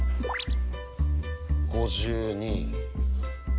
５２。